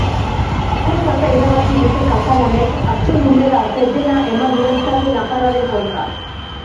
Kostata irabazi dute katalanek azken unera arte dena eman duen talde nafarraren kontra.